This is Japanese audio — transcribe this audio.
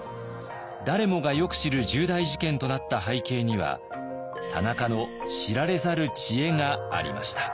誰もがよく知る重大事件となった背景には田中の知られざる知恵がありました。